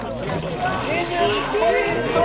２０ポイント！